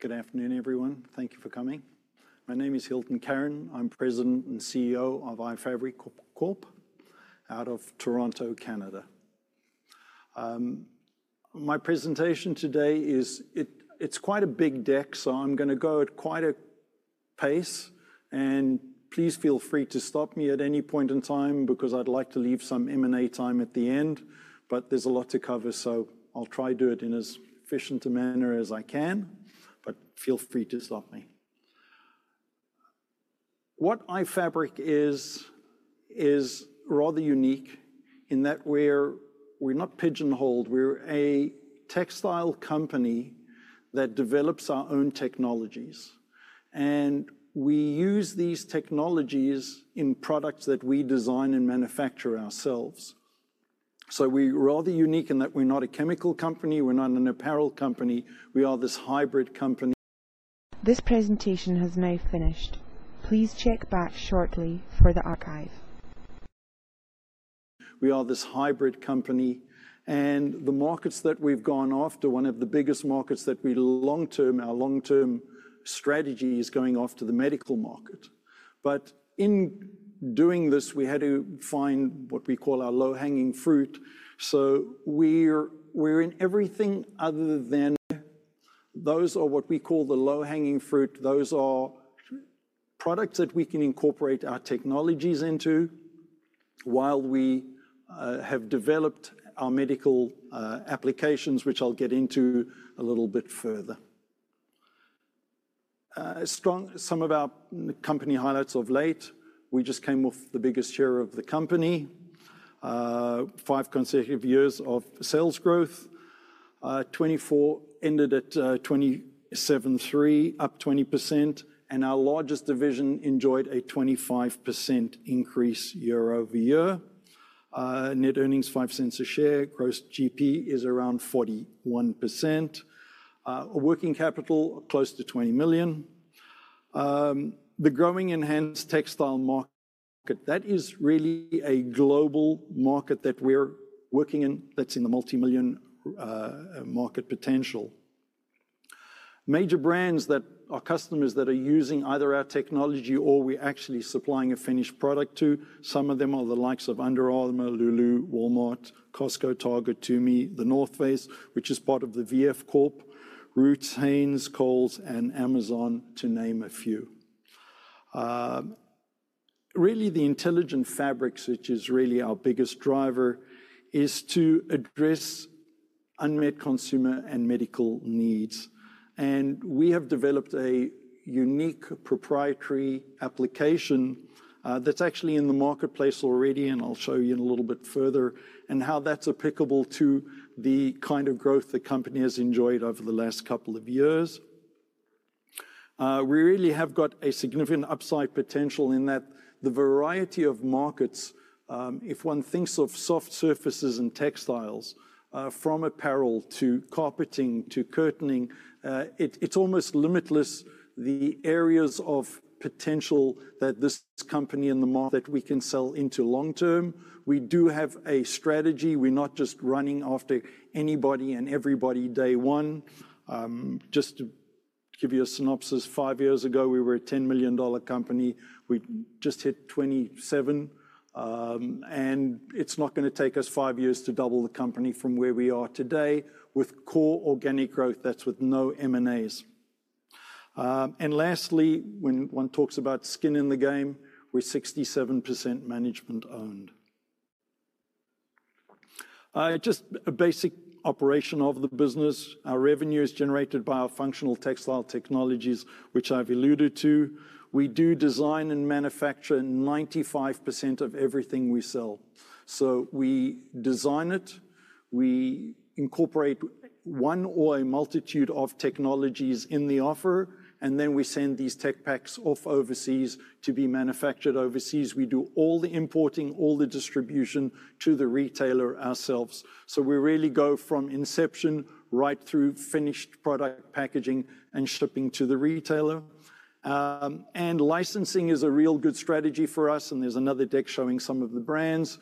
Good afternoon, everyone. Thank you for coming. My name is Hylton Karon. I'm President and CEO of iFabric Corp, out of Toronto, Canada. My presentation today is—it's quite a big deck, so I'm going to go at quite a pace. Please feel free to stop me at any point in time, because I'd like to leave some M&A time at the end. There's a lot to cover, so I'll try to do it in as efficient a manner as I can. Feel free to stop me. What iFabric is, is rather unique in that we're—we're not pigeonholed. We're a textile company that develops our own technologies. We use these technologies in products that we design and manufacture ourselves. We're rather unique in that we're not a chemical company. We're not an apparel company. We are this hybrid company. This presentation has now finished. Please check back shortly for the archive. We are this hybrid company. The markets that we've gone after, one of the biggest markets that we long-term—our long-term strategy is going after the medical market. In doing this, we had to find what we call our low-hanging fruit. We're in everything other than those are what we call the low-hanging fruit. Those are products that we can incorporate our technologies into while we have developed our medical applications, which I'll get into a little bit further. Some of our company highlights of late. We just came with the biggest share of the company: five consecutive years of sales growth, 2024 ended at $27.3 million, up 20%. Our largest division enjoyed a 25% increase year-over-year. Net earnings: $0.05 a share. Gross GP is around 41%. Working capital: close to $20 million. The growing enhanced textile market, that is really a global market that we're working in that's in the multimillion market potential. Major brands that are customers that are using either our technology or we're actually supplying a finished product to. Some of them are the likes of Under Armour, LULU, Walmart, Costco, Target, TUMI, The North Face, which is part of the VF Corp, Roots, Hanes, Kohl's, and Amazon, to name a few. Really, the intelligent fabrics, which is really our biggest driver, is to address unmet consumer and medical needs. We have developed a unique proprietary application that's actually in the marketplace already, and I'll show you in a little bit further, and how that's applicable to the kind of growth the company has enjoyed over the last couple of years. We really have got a significant upside potential in that the variety of markets, if one thinks of soft surfaces and textiles, from apparel to carpeting to curtaining, it's almost limitless. The areas of potential that this company in the market that we can sell into long-term. We do have a strategy. We're not just running after anybody and everybody day one. Just to give you a synopsis, five years ago, we were a $10 million company. We just hit $27 million. It's not going to take us five years to double the company from where we are today with core organic growth. That's with no M&As. Lastly, when one talks about skin in the game, we're 67% management-owned. Just a basic operation of the business. Our revenue is generated by our functional textile technologies, which I've alluded to. We do design and manufacture 95% of everything we sell. We design it. We incorporate one or a multitude of technologies in the offer, and then we send these tech packs off overseas to be manufactured overseas. We do all the importing, all the distribution to the retailer ourselves. We really go from inception right through finished product packaging and shipping to the retailer. Licensing is a real good strategy for us. There is another deck showing some of the brands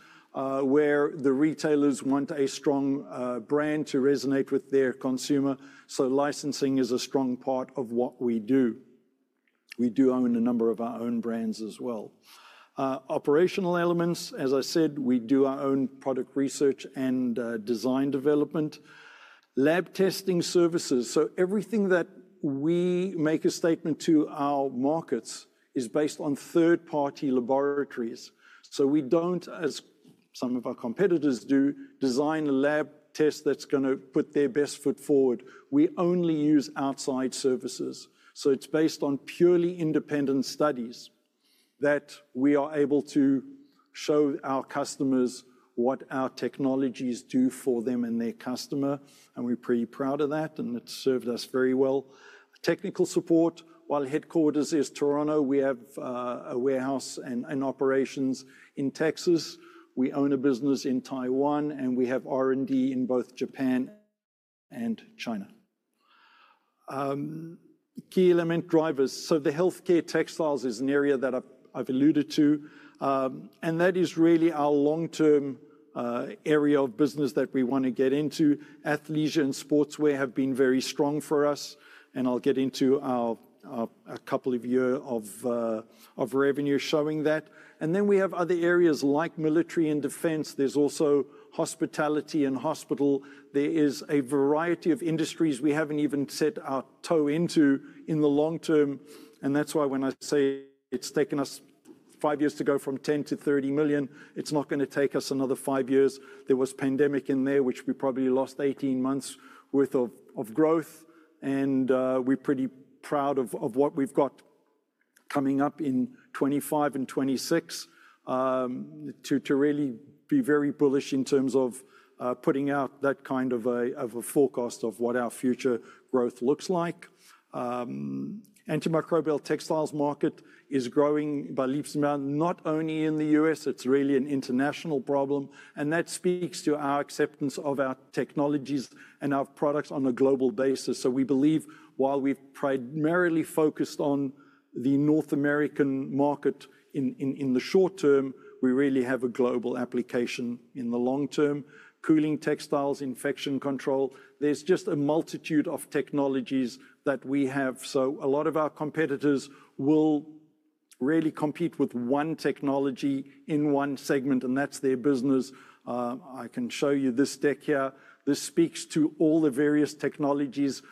where the retailers want a strong brand to resonate with their consumer. Licensing is a strong part of what we do. We do own a number of our own brands as well. Operational elements, as I said, we do our own product research and design development. Lab testing services. Everything that we make a statement to our markets is based on third-party laboratories. We do not, as some of our competitors do, design a lab test that is going to put their best foot forward. We only use outside services. It is based on purely independent studies that we are able to show our customers what our technologies do for them and their customer. We are pretty proud of that. It has served us very well. Technical support. While headquarters is Toronto, we have a warehouse and operations in Texas. We own a business in Taiwan, and we have R&D in both Japan and China. Key element drivers. The healthcare textiles is an area that I have alluded to. That is really our long-term area of business that we want to get into. Athleisure and sportswear have been very strong for us. I will get into a couple of years of revenue showing that. We have other areas like military and defense. There is also hospitality and hospital. There is a variety of industries we have not even set our toe into in the long term. That is why when I say it has taken us five years to go from $10 million to $30 million, it is not going to take us another five years. There was a pandemic in there, which we probably lost 18 months' worth of growth. We are pretty proud of what we have got coming up in 2025 and 2026 to really be very bullish in terms of putting out that kind of a forecast of what our future growth looks like. Antimicrobial textiles market is growing by leaps and bounds, not only in the U.S. It is really an international problem. That speaks to our acceptance of our technologies and our products on a global basis. We believe while we've primarily focused on the North American market in the short term, we really have a global application in the long term. Cooling textiles, infection control. There's just a multitude of technologies that we have. A lot of our competitors will really compete with one technology in one segment, and that's their business. I can show you this deck here. This speaks to all the various technologies.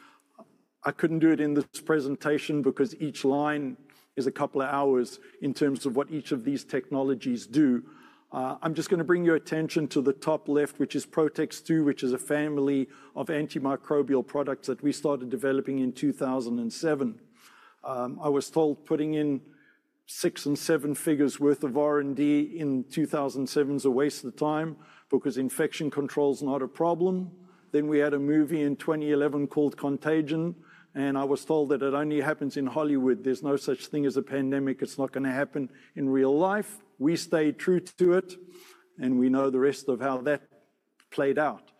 I couldn't do it in this presentation because each line is a couple of hours in terms of what each of these technologies do. I'm just going to bring your attention to the top left, which is PROTX2, which is a family of antimicrobial products that we started developing in 2007. I was told putting in six and seven figures' worth of R&D in 2007 is a waste of time because infection control's not a problem. We had a movie in 2011 called Contagion. I was told that it only happens in Hollywood. There is no such thing as a pandemic. It is not going to happen in real life. We stayed true to it. We know the rest of how that played out.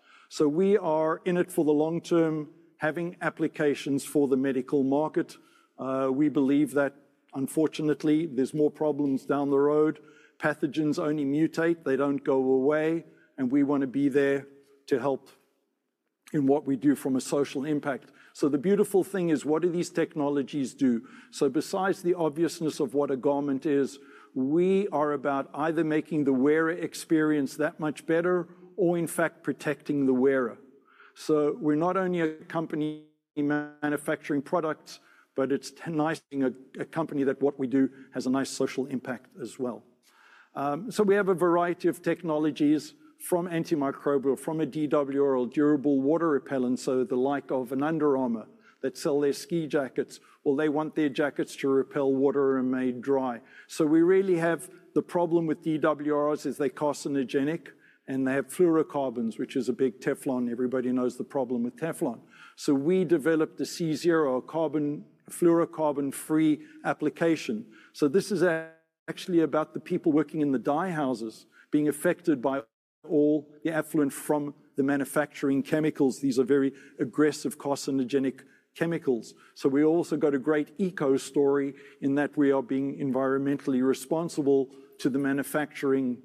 We are in it for the long term, having applications for the medical market. We believe that, unfortunately, there are more problems down the road. Pathogens only mutate. They do not go away. We want to be there to help in what we do from a social impact. The beautiful thing is, what do these technologies do? Besides the obviousness of what a garment is, we are about either making the wearer experience that much better or, in fact, protecting the wearer. We're not only a company manufacturing products, but it's nice being a company that what we do has a nice social impact as well. We have a variety of technologies from antimicrobial, from a DWR or durable water repellent. The like of an Under Armour that sell their ski jackets, they want their jackets to repel water and may dry. The problem with DWRs is they're carcinogenic, and they have fluorocarbons, which is a big Teflon. Everybody knows the problem with Teflon. We developed the C0, a fluorocarbon-free application. This is actually about the people working in the dyehouses being affected by all the effluent from the manufacturing chemicals. These are very aggressive carcinogenic chemicals. We also got a great eco story in that we are being environmentally responsible to the manufacturing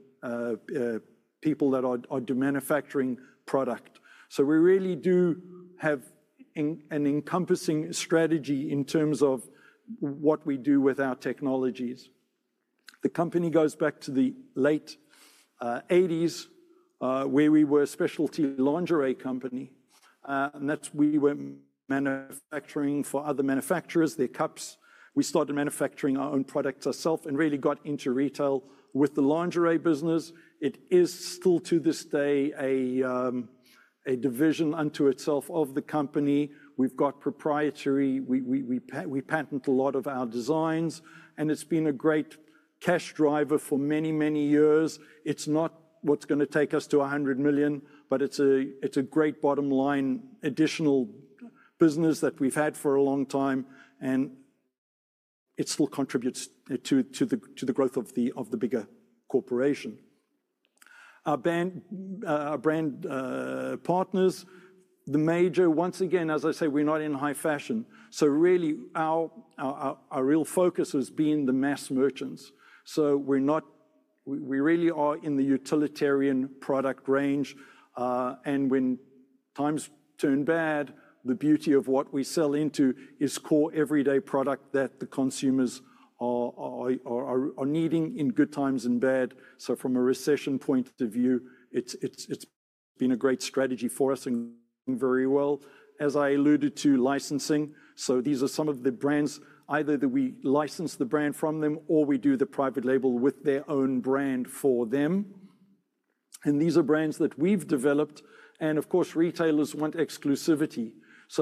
people that are manufacturing product. We really do have an encompassing strategy in terms of what we do with our technologies. The company goes back to the late 1980s, where we were a specialty lingerie company. That is, we were manufacturing for other manufacturers, their cups. We started manufacturing our own products ourselves and really got into retail with the lingerie business. It is still to this day a division unto itself of the company. We have proprietary. We patent a lot of our designs. It has been a great cash driver for many, many years. It is not what is going to take us to $100 million, but it is a great bottom line additional business that we have had for a long time. It still contributes to the growth of the bigger corporation. Our brand partners, the major, once again, as I say, we are not in high fashion. Really, our real focus has been the mass merchants. We really are in the utilitarian product range. When times turn bad, the beauty of what we sell into is core everyday product that the consumers are needing in good times and bad. From a recession point of view, it's been a great strategy for us and very well. As I alluded to, licensing. These are some of the brands, either that we license the brand from them or we do the private label with their own brand for them. These are brands that we've developed. Of course, retailers want exclusivity.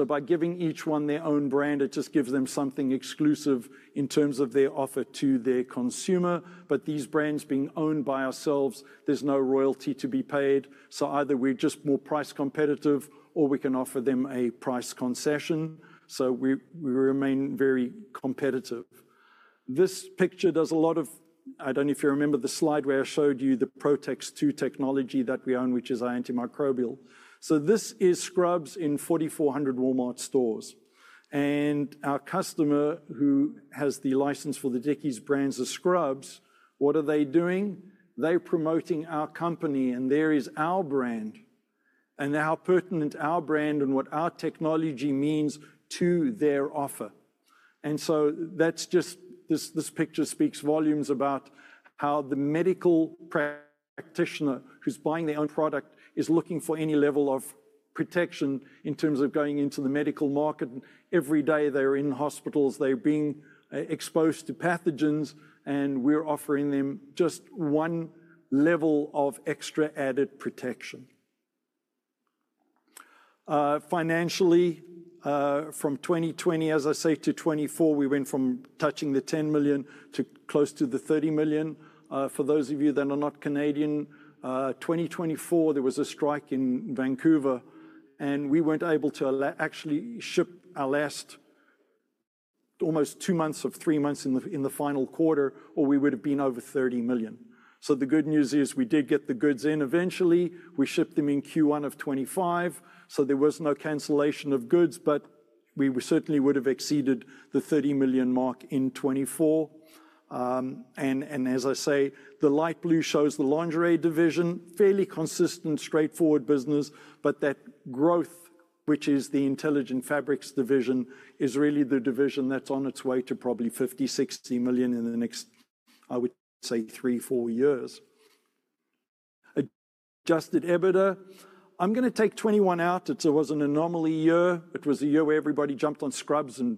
By giving each one their own brand, it just gives them something exclusive in terms of their offer to their consumer. These brands being owned by ourselves, there's no royalty to be paid. Either we're just more price competitive or we can offer them a price concession. We remain very competitive. This picture does a lot of—I don't know if you remember the slide where I showed you the PROTX2 technology that we own, which is our antimicrobial. This is scrubs in 4,400 Walmart stores. Our customer who has the license for the Dickies brands of scrubs, what are they doing? They're promoting our company. There is our brand and how pertinent our brand and what our technology means to their offer. This picture speaks volumes about how the medical practitioner who's buying their own product is looking for any level of protection in terms of going into the medical market. Every day they're in hospitals. They're being exposed to pathogens. We're offering them just one level of extra added protection. Financially, from 2020, as I say, to 2024, we went from touching the $10 million to close to the $30 million. For those of you that are not Canadian, 2024, there was a strike in Vancouver. We were not able to actually ship our last almost two months of three months in the final quarter, or we would have been over $30 million. The good news is we did get the goods in. Eventually, we shipped them in Q1 of 2025. There was no cancellation of goods, but we certainly would have exceeded the $30 million mark in 2024. As I say, the light blue shows the lingerie division, fairly consistent, straightforward business. That growth, which is the intelligent fabrics division, is really the division that is on its way to probably $50 million-$60 million in the next, I would say, three-four years. Just at EBITDA, I'm going to take 2021 out. It was an anomaly year. It was a year where everybody jumped on scrubs and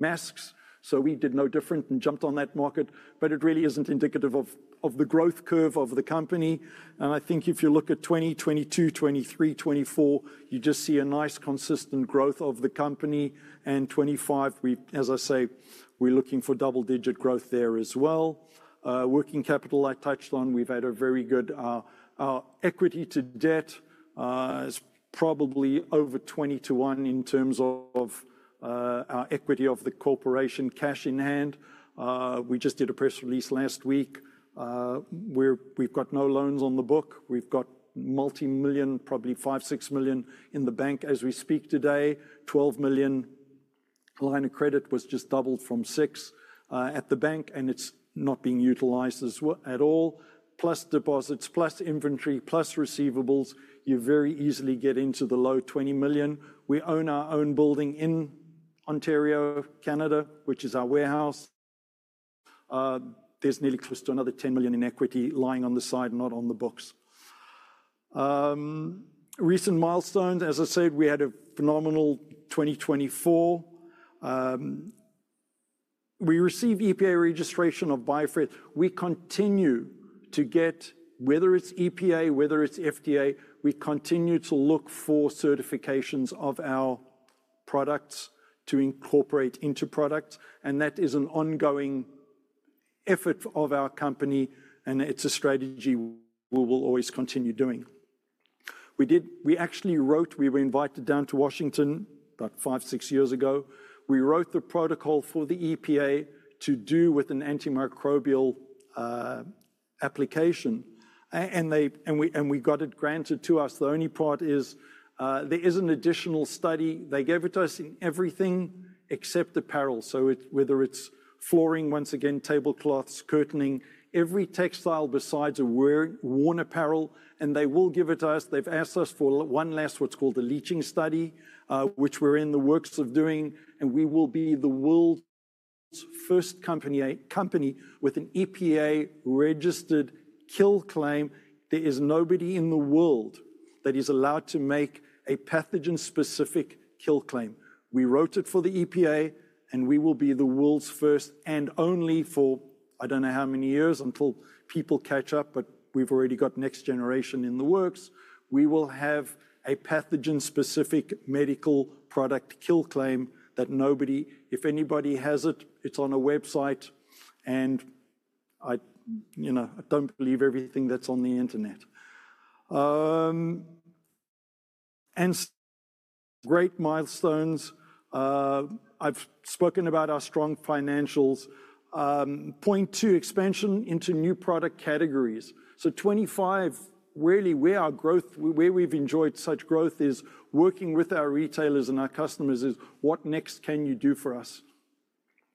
masks. We did no different and jumped on that market. It really isn't indicative of the growth curve of the company. I think if you look at 2022, 2023, 2024, you just see a nice consistent growth of the company. In 2025, as I say, we're looking for double-digit growth there as well. Working capital, I touched on. We've had a very good equity to debt. It's probably over 20 to 1 in terms of our equity of the corporation cash in hand. We just did a press release last week. We've got no loans on the book. We've got multi-million, probably $5 million-$6 million in the bank as we speak today. $12 million line of credit was just doubled from six at the bank, and it's not being utilized at all. Plus deposits, plus inventory, plus receivables, you very easily get into the low $20 million. We own our own building in Ontario, Canada, which is our warehouse. There's nearly close to another $10 million in equity lying on the side, not on the books. Recent milestones, as I said, we had a phenomenal 2024. We received EPA registration of bioFRESH. We continue to get, whether it's EPA, whether it's FDA, we continue to look for certifications of our products to incorporate into products. That is an ongoing effort of our company. It's a strategy we will always continue doing. We actually wrote, we were invited down to Washington about five, six years ago. We wrote the protocol for the EPA to do with an antimicrobial application. We got it granted to us. The only part is there is an additional study. They gave it to us in everything except apparel. Whether it's flooring, once again, tablecloths, curtaining, every textile besides a worn apparel. They will give it to us. They've asked us for one last, what's called a leaching study, which we're in the works of doing. We will be the world's first company with an EPA-registered kill claim. There is nobody in the world that is allowed to make a pathogen-specific kill claim. We wrote it for the EPA, and we will be the world's first and only for I don't know how many years until people catch up, but we've already got next generation in the works. We will have a pathogen-specific medical product kill claim that nobody, if anybody has it, it's on a website. I do not believe everything that's on the internet. Great milestones. I've spoken about our strong financials. Point two, expansion into new product categories. So 2025, really where our growth, where we've enjoyed such growth is working with our retailers and our customers is what next can you do for us?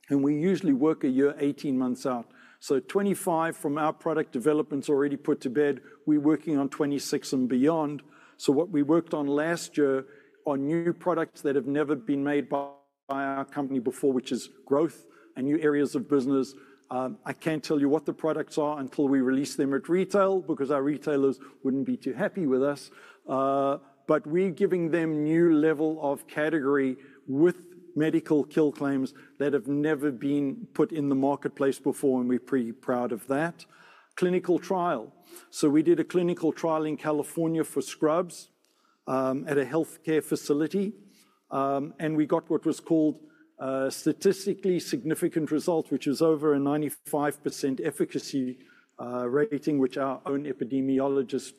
We usually work a year, 18 months out. So 2025, from our product developments already put to bed, we're working on 2026 and beyond What we worked on last year on new products that have never been made by our company before, which is growth and new areas of business. I can't tell you what the products are until we release them at retail because our retailers would not be too happy with us. We're giving them new level of category with medical kill claims that have never been put in the marketplace before, and we're pretty proud of that. Clinical trial. We did a clinical trial in California for scrubs at a healthcare facility. We got what was called statistically significant result, which is over a 95% efficacy rating, which our own epidemiologist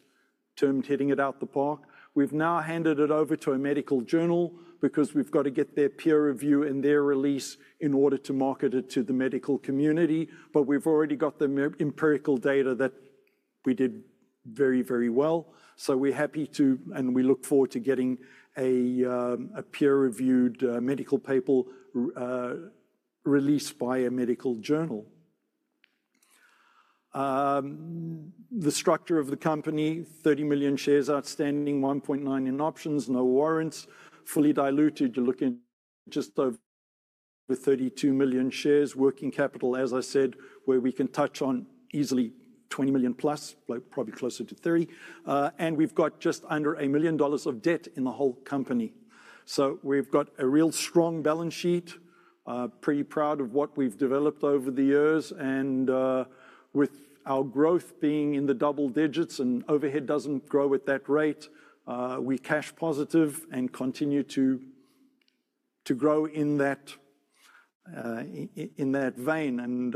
termed hitting it out the park. We've now handed it over to a medical journal because we've got to get their peer review and their release in order to market it to the medical community. We've already got the empirical data that we did very, very well. We're happy to, and we look forward to getting a peer-reviewed medical paper released by a medical journal. The structure of the company, 30 million shares outstanding, 1.9 million in options, no warrants, fully diluted. You're looking just over 32 million shares, working capital, as I said, where we can touch on easily $20 million plus, probably closer to $30 million. We've got just under $1 million of debt in the whole company. We've got a real strong balance sheet, pretty proud of what we've developed over the years. With our growth being in the double digits and overhead does not grow at that rate, we are cash positive and continue to grow in that vein.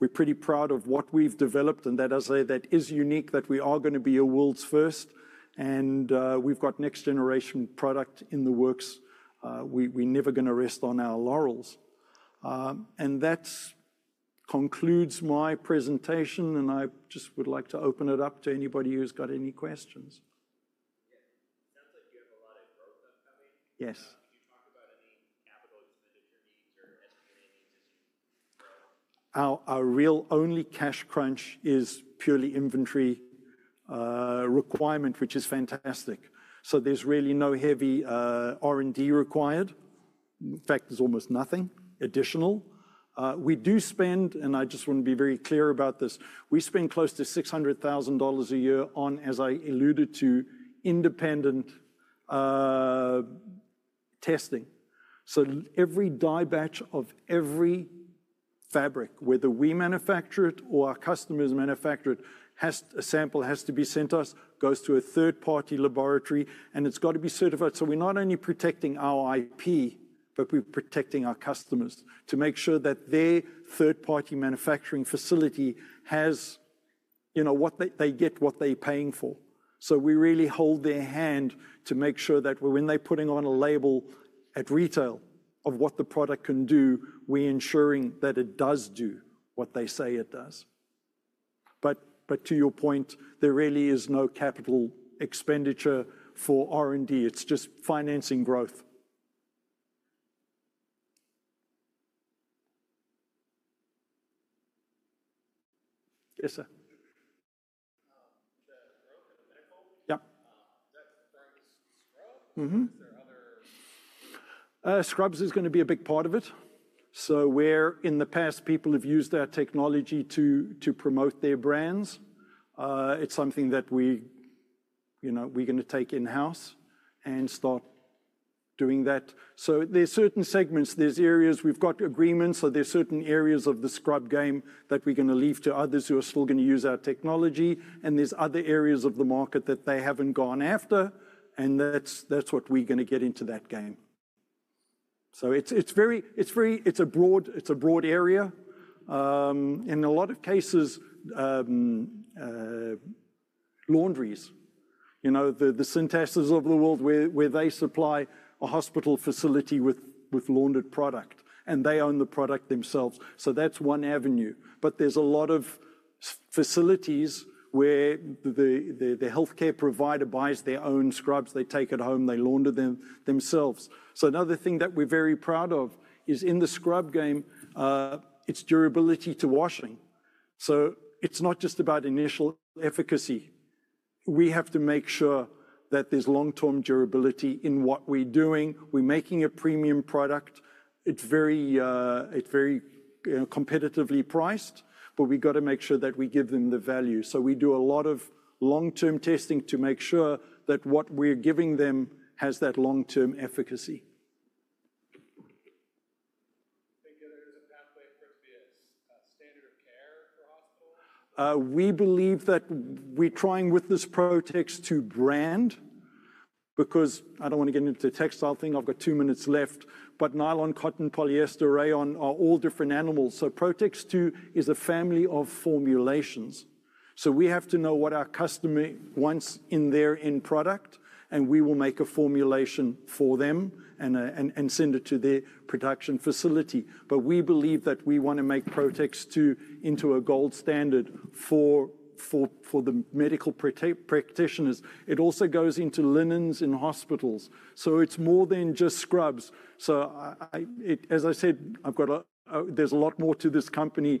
We're pretty proud of what we've developed. That, as I say, is unique, that we are going to be a world's first. We've got next-generation product in the works. We're never going to rest on our laurels. That concludes my presentation. I just would like to open it up to anybody who's got any questions. Yeah. It sounds like you have a lot of growth upcoming. Can you talk about any capital expenditure needs or CapEx needs as you grow? Our real only cash crunch is purely inventory requirement, which is fantastic. There is really no heavy R&D required. In fact, there is almost nothing additional. We do spend, and I just want to be very clear about this, we spend close to $600,000 a year on, as I alluded to, independent testing. Every dye batch of every fabric, whether we manufacture it or our customers manufacture it, a sample has to be sent to us, goes to a third-party laboratory, and it has to be certified. We are not only protecting our IP, but we are protecting our customers to make sure that their third-party manufacturing facility has what they get what they are paying for. We really hold their hand to make sure that when they are putting on a label at retail of what the product can do, we are ensuring that it does do what they say it does. To your point, there really is no capital expenditure for R&D. It's just financing growth. Yes, sir. The growth of medical. Yep. Is that for scrubs? Is there other? Scrubs is going to be a big part of it. Where in the past people have used our technology to promote their brands, it's something that we're going to take in-house and start doing that. There are certain segments. There are areas we've got agreements. There are certain areas of the scrub game that we're going to leave to others who are still going to use our technology. There are other areas of the market that they haven't gone after. That's what we're going to get into, that game. It's a broad area. In a lot of cases, laundries, the synthesizers of the world where they supply a hospital facility with laundered product, and they own the product themselves. That's one avenue. There are a lot of facilities where the healthcare provider buys their own scrubs. They take it home. They launder them themselves. Another thing that we're very proud of is in the scrub game, it's durability to washing. It's not just about initial efficacy. We have to make sure that there's long-term durability in what we're doing. We're making a premium product. It's very competitively priced, but we've got to make sure that we give them the value. We do a lot of long-term testing to make sure that what we're giving them has that long-term efficacy. I think there is a pathway for it to be a standard of care for hospitals. We believe that we're trying with this PROTX2 brand because I don't want to get into the textile thing. I've got two minutes left. Nylon, cotton, polyester, rayon are all different animals. PROTX2 is a family of formulations. We have to know what our customer wants in their end product, and we will make a formulation for them and send it to their production facility. We believe that we want to make PROTX2 into a gold standard for the medical practitioners. It also goes into linens in hospitals. It is more than just scrubs. As I said, there's a lot more to this company.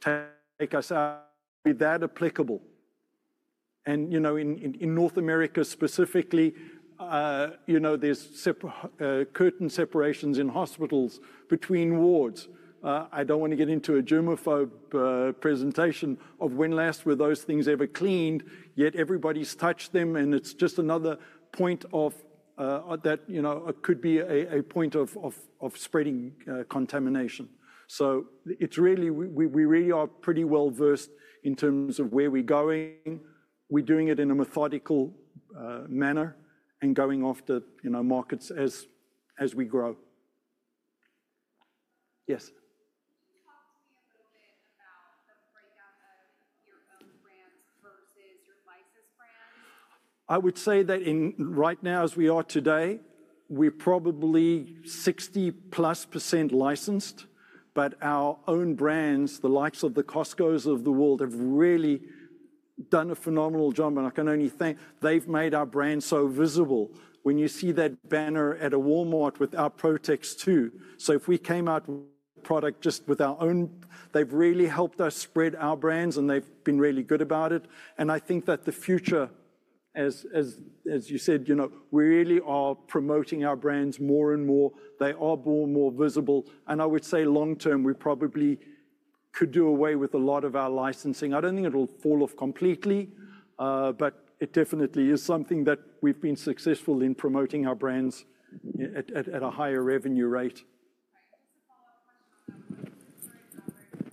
Take us out with that applicable. In North America specifically, there's curtain separations in hospitals between wards. I don't want to get into a germaphobe presentation of when last were those things ever cleaned, yet everybody's touched them. It's just another point that could be a point of spreading contamination. We really are pretty well versed in terms of where we're going. We're doing it in a methodical manner and going off to markets as we grow. Yes. Can you talk to me a little bit about the breakdown of your own brands versus your licensed brands? I would say that right now, as we are today, we're probably 60+% licensed. Our own brands, the likes of the Costcos of the world, have really done a phenomenal job. I can only thank they've made our brand so visible. When you see that banner at a Walmart with our PROTX2. If we came out with a product just with our own, they've really helped us spread our brands, and they've been really good about it. I think that the future, as you said, we really are promoting our brands more and more. They are more and more visible. I would say long term, we probably could do away with a lot of our licensing. I don't think it'll fall off completely, but it definitely is something that we've been successful in promoting our brands at a higher revenue rate. Just a follow-up question on that. What is the current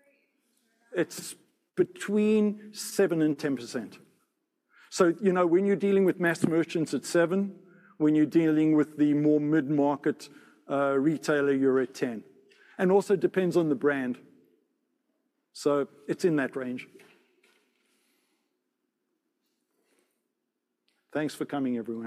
number? It's between 7% and 10%. When you're dealing with mass merchants, it's 7%. When you're dealing with the more mid-market retailer, you're at 10%. It also depends on the brand. It's in that range. Thanks for coming, everyone.